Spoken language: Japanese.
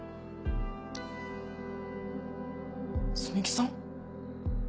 摘木さん？